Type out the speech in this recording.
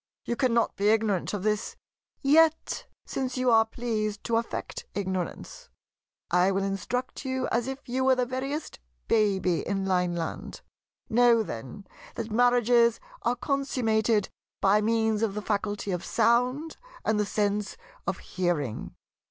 You cannot be ignorant of this. Yet since you are pleased to affect ignorance, I will instruct you as if you were the veriest baby in Lineland. Know, then, that marriages are consummated by means of the faculty of sound and the sense of hearing.